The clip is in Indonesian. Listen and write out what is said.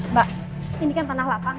mbak ini kan tanah lapang